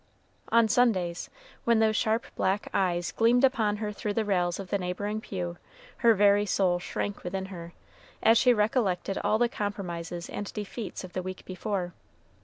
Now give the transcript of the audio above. On Sundays, when those sharp black eyes gleamed upon her through the rails of the neighboring pew, her very soul shrank within her, as she recollected all the compromises and defeats of the week before.